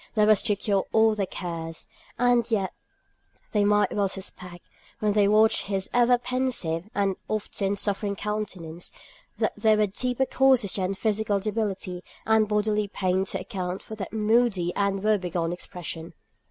That was to cure all their cares; and yet they might well suspect, when they watched his ever pensive, and often suffering countenance, that there were deeper causes than physical debility and bodily pain to account for that moody and woe begone expression.